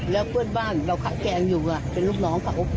แล้วเพื่อนบ้านเราคัดแกงอยู่เป็นลูกน้องเขา